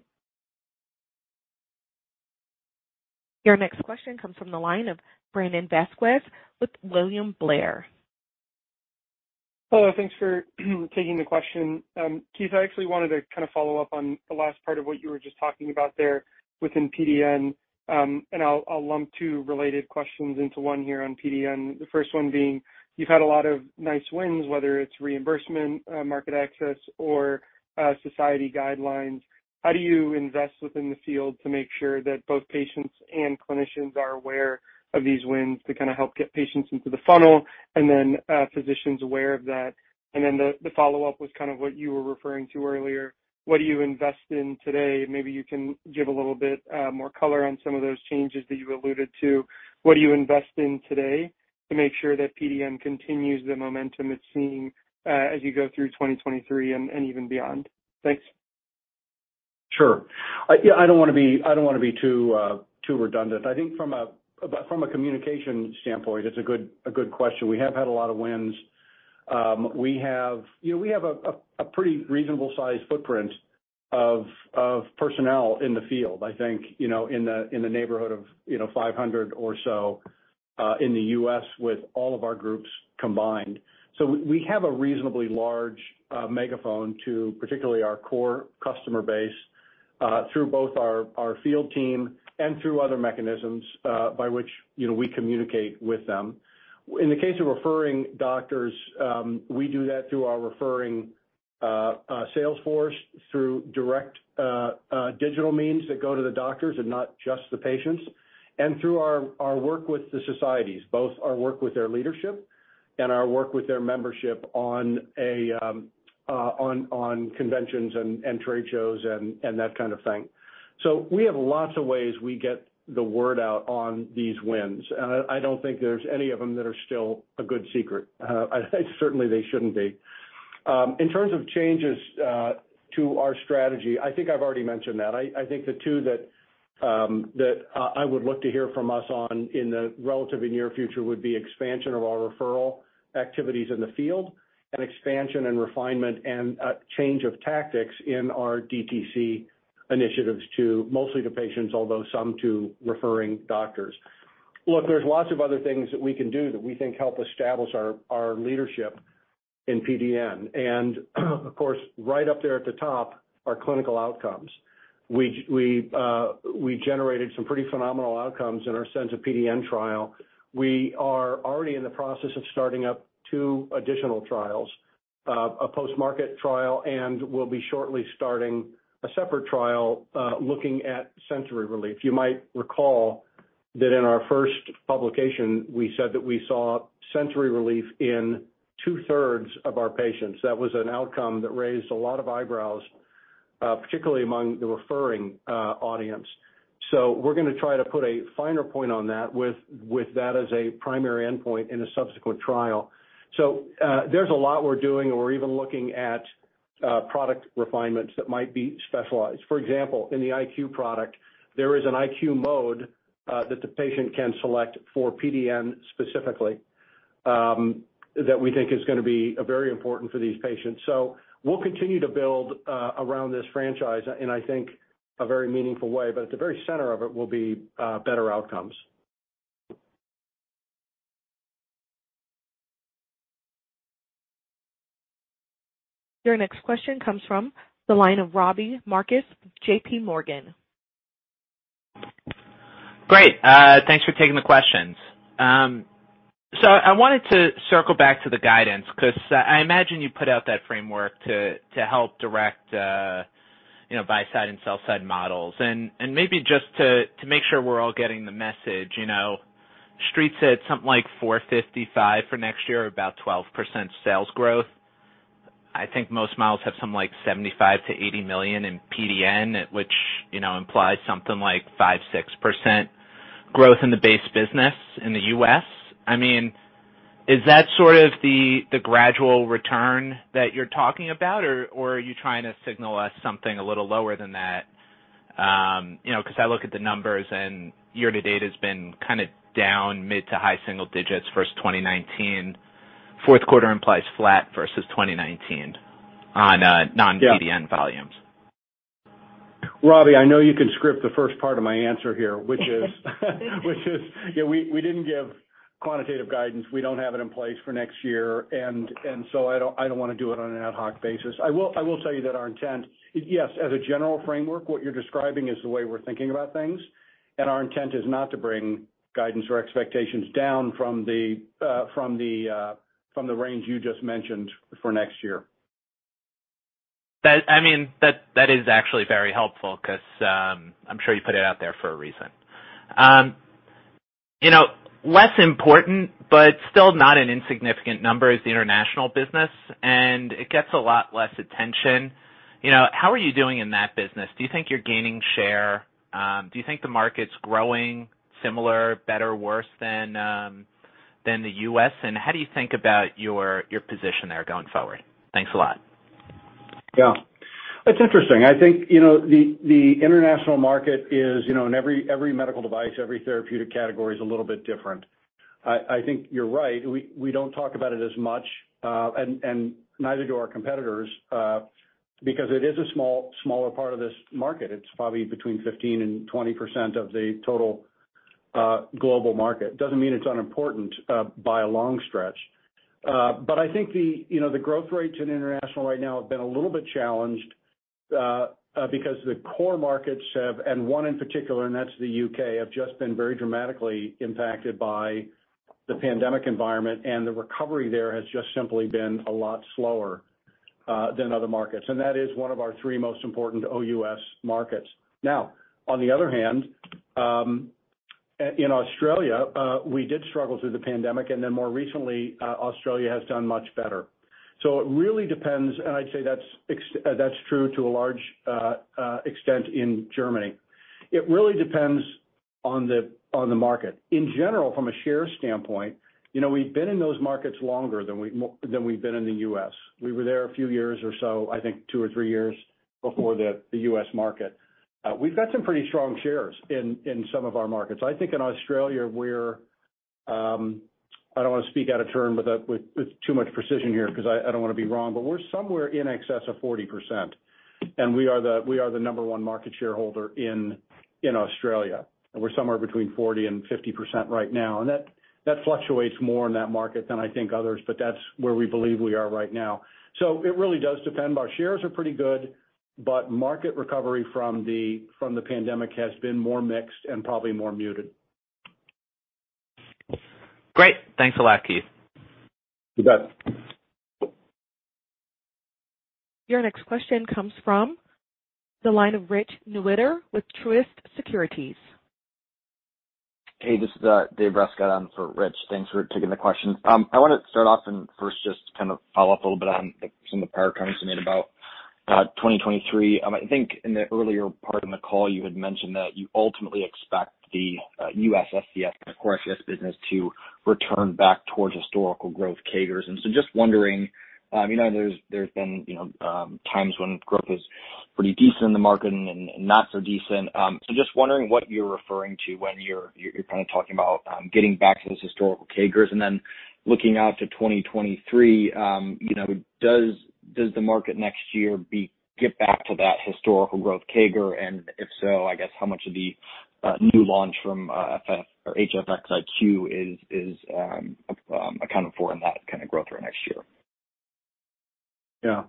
Your next question comes from the line of Brandon Vazquez with William Blair. Hello, thanks for taking the question. Keith, I actually wanted to kind of follow up on the last part of what you were just talking about there within PDN, and I'll lump two related questions into one here on PDN. The first one being, you've had a lot of nice wins, whether it's reimbursement, market access, or society guidelines. How do you invest within the field to make sure that both patients and clinicians are aware of these wins to kind of help get patients into the funnel and then physicians aware of that? Then the follow-up was kind of what you were referring to earlier. What do you invest in today? Maybe you can give a little bit more color on some of those changes that you alluded to. What do you invest in today to make sure that PDN continues the momentum it's seeing, as you go through 2023 and even beyond? Thanks. Sure. Yeah, I don't wanna be too redundant. I think from a communication standpoint, it's a good question. We have had a lot of wins. You know, we have a pretty reasonable size footprint of personnel in the field, I think, you know, in the neighborhood of, you know, 500 or so in the U.S. with all of our groups combined. We have a reasonably large megaphone to particularly our core customer base through both our field team and through other mechanisms by which, you know, we communicate with them. In the case of referring doctors, we do that through our referring sales force through direct digital means that go to the doctors and not just the patients, and through our work with the societies, both our work with their leadership and our work with their membership on conventions and trade shows and that kind of thing. We have lots of ways we get the word out on these wins. I don't think there's any of them that are still a good secret. I think certainly they shouldn't be. In terms of changes to our strategy, I think I've already mentioned that. I think the two that I would look to hear from us on in the relatively near future would be expansion of our referral activities in the field and expansion and refinement and a change of tactics in our DTC initiatives to mostly to patients, although some to referring doctors. Look, there's lots of other things that we can do that we think help establish our leadership in PDN. Of course, right up there at the top are clinical outcomes. We generated some pretty phenomenal outcomes in our Senza PDN trial. We are already in the process of starting up two additional trials, a post-market trial, and we'll be shortly starting a separate trial, looking at sensory relief. You might recall that in our first publication, we said that we saw sensory relief in 2/3 of our patients. That was an outcome that raised a lot of eyebrows, particularly among the referring audience. We're gonna try to put a finer point on that with that as a primary endpoint in a subsequent trial. There's a lot we're doing, and we're even looking at product refinements that might be specialized. For example, in the IQ product, there is an IQ mode that the patient can select for PDN specifically, that we think is gonna be very important for these patients. We'll continue to build around this franchise, and I think in a very meaningful way. At the very center of it will be better outcomes. Your next question comes from the line of Robbie Marcus, JPMorgan. Great. Thanks for taking the questions. I wanted to circle back to the guidance 'cause I imagine you put out that framework to help direct, you know, buy-side and sell-side models. Maybe just to make sure we're all getting the message, you know, Street said something like 455 for next year or about 12% sales growth. I think most models have something like $75-$80 million in PDN, which, you know, implies something like 5-6% growth in the base business in the US. I mean, is that sort of the gradual return that you're talking about, or are you trying to signal us something a little lower than that? You know, 'cause I look at the numbers and year to date has been kinda down mid- to high-single digits versus 2019. Fourth quarter implies flat versus 2019 on, Yeah. Non-PDN volumes. Robbie, I know you can script the first part of my answer here, which is, you know, we didn't give quantitative guidance. We don't have it in place for next year. I don't wanna do it on an ad hoc basis. I will tell you that our intent is yes, as a general framework, what you're describing is the way we're thinking about things, and our intent is not to bring guidance or expectations down from the range you just mentioned for next year. I mean, that is actually very helpful 'cause I'm sure you put it out there for a reason. You know, less important, but still not an insignificant number is the international business, and it gets a lot less attention. You know, how are you doing in that business? Do you think you're gaining share? Do you think the market's growing similar, better, worse than the US? How do you think about your position there going forward? Thanks a lot. Yeah. It's interesting. I think, you know, the international market is, you know, and every medical device, every therapeutic category is a little bit different. I think you're right. We don't talk about it as much, and neither do our competitors, because it is a smaller part of this market. It's probably between 15%-20% of the total global market. It doesn't mean it's unimportant by a long stretch. But I think the growth rates in international right now have been a little bit challenged because the core markets have, and one in particular, and that's the U.K., have just been very dramatically impacted by the pandemic environment, and the recovery there has just simply been a lot slower than other markets. That is one of our three most important OUS markets. Now, on the other hand, in Australia, we did struggle through the pandemic, and then more recently, Australia has done much better. It really depends, and I'd say that's true to a large extent in Germany. It really depends on the market. In general, from a share standpoint, you know, we've been in those markets longer than we've been in the U.S. We were there a few years or so, I think two or three years before the U.S. market. We've got some pretty strong shares in some of our markets. I think in Australia, we're, I don't wanna speak out of turn with too much precision here 'cause I don't wanna be wrong, but we're somewhere in excess of 40%, and we are the number one market shareholder in Australia. We're somewhere between 40% and 50% right now. That fluctuates more in that market than I think others, but that's where we believe we are right now. It really does depend. Our shares are pretty good, but market recovery from the pandemic has been more mixed and probably more muted. Great. Thanks a lot, Keith. You bet. Your next question comes from the line of Richard Newitter with Truist Securities. Hey, this is David Rescott on for Rich. Thanks for taking the questions. I wanna start off and first just to kind of follow up a little bit on, like, some of the prior comments you made about 2023. I think in the earlier part of the call, you had mentioned that you ultimately expect the US SCS and PDN business to return back towards historical growth CAGRs. So just wondering, you know, there's been times when growth is pretty decent in the market and not so decent. So just wondering what you're referring to when you're kinda talking about getting back to this historical CAGRs. Then looking out to 2023, you know, does the market next year get back to that historical growth CAGR? If so, I guess how much of the new launch from HFX or HFX iQ is accounted for in that kinda growth rate next year? Yeah.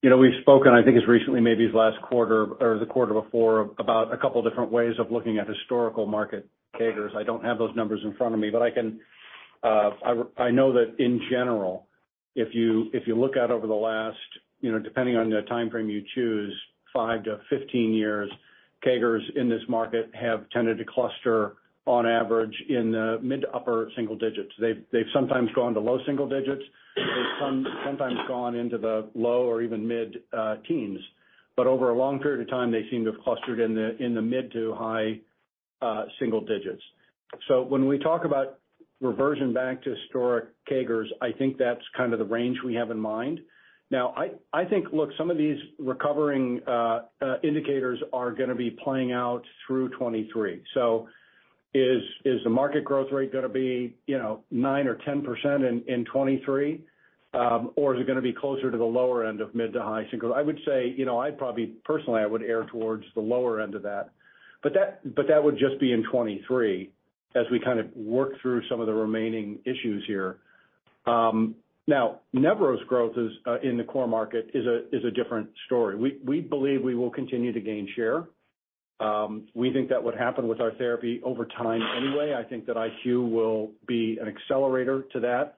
You know, we've spoken, I think it's recently, maybe it's last quarter or the quarter before, about a couple different ways of looking at historical market CAGRs. I don't have those numbers in front of me, but I can, I know that in general, if you, if you look out over the last, you know, depending on the timeframe you choose, 5-15 years, CAGRs in this market have tended to cluster on average in the mid- to upper-single digits. They've sometimes gone to low single digits. They've sometimes gone into the low or even mid-teens. Over a long period of time, they seem to have clustered in the mid- to high-single digits. When we talk about reversion back to historic CAGRs, I think that's kind of the range we have in mind. Now, I think, look, some of these recovering indicators are gonna be playing out through 2023. So is the market growth rate gonna be, you know, 9% or 10% in 2023? Or is it gonna be closer to the lower end of mid- to high-single? I would say, you know, I'd probably personally I would err towards the lower end of that. But that would just be in 2023 as we kind of work through some of the remaining issues here. Now Nevro's growth is in the core market a different story. We believe we will continue to gain share. We think that would happen with our therapy over time anyway. I think that IQ will be an accelerator to that.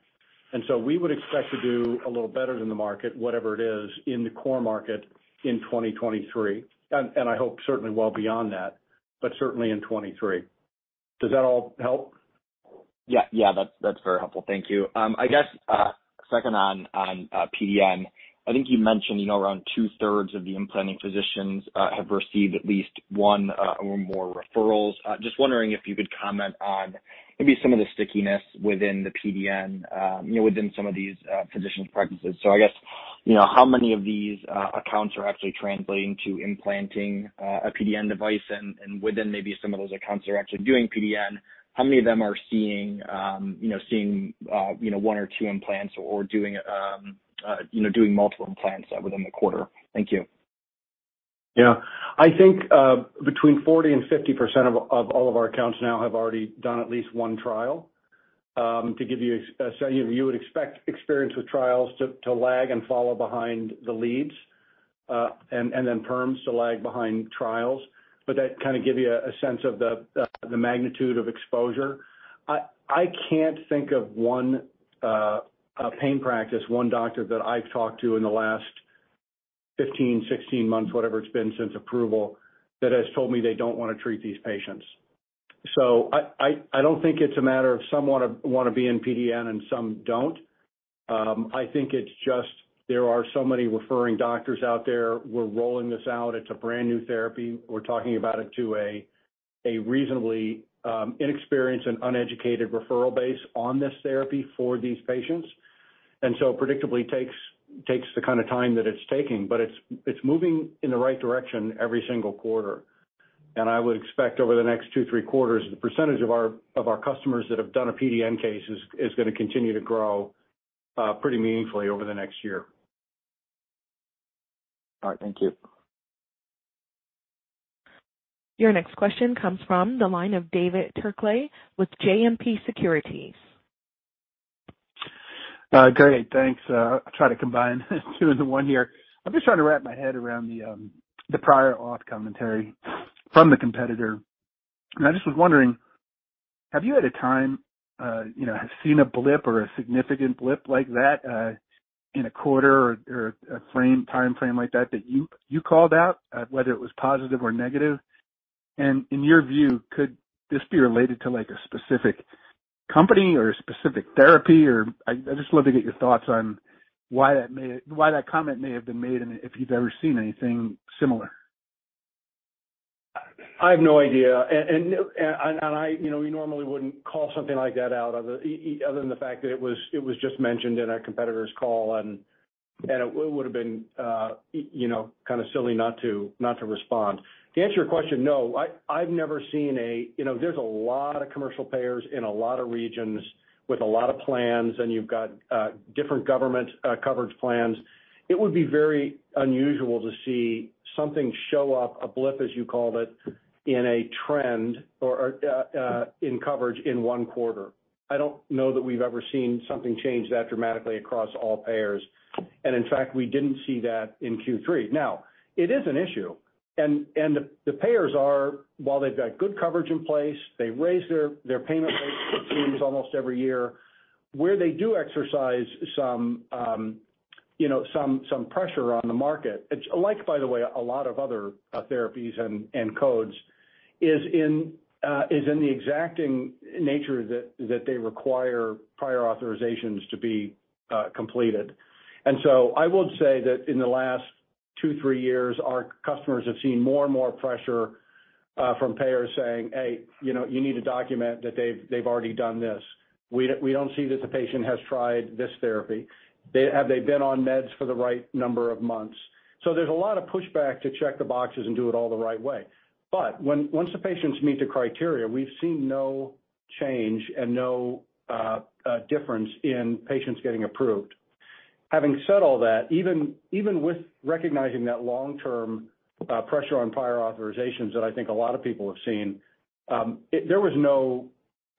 We would expect to do a little better than the market, whatever it is, in the core market in 2023. I hope certainly well beyond that, but certainly in 2023. Does that all help? Yeah. Yeah, that's very helpful. Thank you. I guess second on PDN. I think you mentioned, you know, around 2/3 of the implanting physicians have received at least one or more referrals. Just wondering if you could comment on maybe some of the stickiness within the PDN, you know, within some of these physicians' practices. I guess, you know, how many of these accounts are actually translating to implanting a PDN device? And within maybe some of those accounts that are actually doing PDN, how many of them are seeing one or two implants or doing multiple implants within the quarter? Thank you. Yeah. I think between 40% and 50% of all of our accounts now have already done at least one trial. To give you a sense, you would expect experience with trials to lag and follow behind the leads, and then perms to lag behind trials. That kinda give you a sense of the magnitude of exposure. I can't think of one pain practice, one doctor that I've talked to in the last 15, 16 months, whatever it's been since approval, that has told me they don't wanna treat these patients. I don't think it's a matter of some wanna be in PDN and some don't. I think it's just there are so many referring doctors out there. We're rolling this out. It's a brand-new therapy. We're talking about it to a reasonably inexperienced and uneducated referral base on this therapy for these patients. Predictably takes the kinda time that it's taking. It's moving in the right direction every single quarter. I would expect over the next two, three quarters, the percentage of our customers that have done a PDN case is gonna continue to grow pretty meaningfully over the next year. All right. Thank you. Your next question comes from the line of David Turkaly with JMP Securities. Great. Thanks. I'll try to combine two into one here. I'm just trying to wrap my head around the prior auth commentary from the competitor. I just was wondering, have you at any time you know seen a blip or a significant blip like that in a quarter or a timeframe like that that you called out whether it was positive or negative? In your view, could this be related to like a specific company or a specific therapy? Or I'd just love to get your thoughts on why that comment may have been made and if you've ever seen anything similar. I have no idea. You know, we normally wouldn't call something like that out other than the fact that it was just mentioned in our competitor's call. It would've been, you know, kinda silly not to respond. To answer your question, no, I've never seen a. You know, there's a lot of commercial payers in a lot of regions with a lot of plans, and you've got different government coverage plans. It would be very unusual to see something show up, a blip, as you called it, in a trend or in coverage in one quarter. I don't know that we've ever seen something change that dramatically across all payers. In fact, we didn't see that in Q3. Now, it is an issue. The payers are, while they've got good coverage in place, they've raised their payment rates it seems almost every year. Where they do exercise some, you know, some pressure on the market, it's like, by the way, a lot of other therapies and codes, is in the exacting nature that they require prior authorizations to be completed. I would say that in the last two, three years, our customers have seen more and more pressure from payers saying, "Hey, you know, you need to document that they've already done this. We don't see that the patient has tried this therapy. Have they been on meds for the right number of months?" There's a lot of pushback to check the boxes and do it all the right way. Once the patients meet the criteria, we've seen no change and no difference in patients getting approved. Having said all that, even with recognizing that long-term pressure on prior authorizations that I think a lot of people have seen, there was no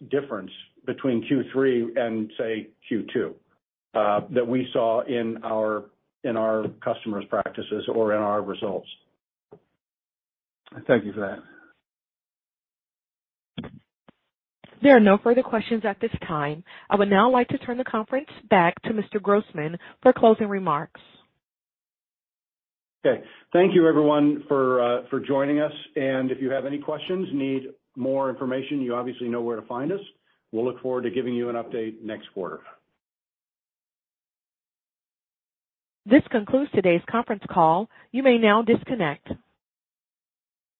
difference between Q3 and, say, Q2, that we saw in our customers' practices or in our results. Thank you for that. There are no further questions at this time. I would now like to turn the conference back to Mr. Grossman for closing remarks. Okay. Thank you everyone for joining us. If you have any questions, need more information, you obviously know where to find us. We'll look forward to giving you an update next quarter. This concludes today's conference call. You may now disconnect.